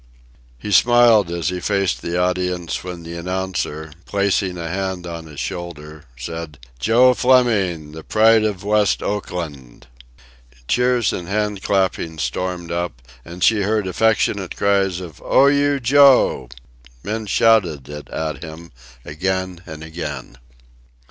He smiled as he faced the audience, when the announcer, placing a hand on his shoulder, said: "Joe Fleming, the Pride of West Oakland." Cheers and hand clappings stormed up, and she heard affectionate cries of "Oh, you, Joe!" Men shouted it at him again and again.